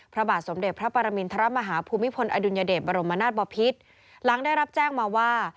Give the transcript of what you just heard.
พระบาทสมเด็จพระปรมินทรมาฮาภูมิพลอดุลยเดชบรมนาศบอพิษหลังได้รับแจ้งมาว่า